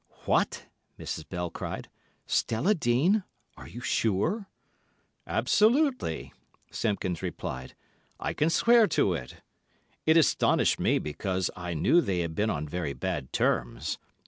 "What!" Mrs. Bell cried. "Stella Dean? Are you sure?" "Absolutely!" Simpkins replied. "I can swear to it. It astonished me because I knew they had been on very bad terms.